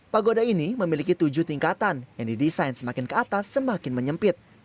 pagoda ini memiliki tujuh tingkatan yang didesain semakin ke atas semakin menyempit